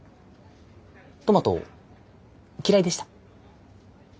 トマト嫌いでした？